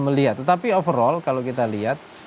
melihat tetapi overall kalau kita lihat